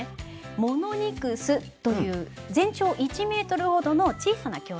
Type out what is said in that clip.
モノニクスという全長１ｍほどの小さな恐竜になります。